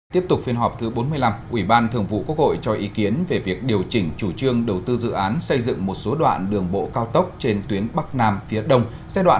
tiếp tục phiên họp thứ bốn mươi năm ủy ban thường vụ quốc hội cho ý kiến về việc điều chỉnh chủ trương đầu tư dự án xây dựng một số đoạn đường bộ cao tốc trên tuyến bắc nam phía đông giai đoạn hai nghìn một mươi sáu hai nghìn hai mươi